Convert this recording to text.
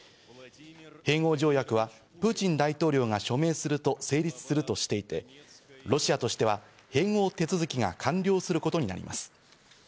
併合条約はプーチン大統領が署名すると成立するとしていて、ロシアとしては併合手続きが完了することになります。